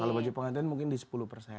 kalau bagi pengantin mungkin di sepuluh persen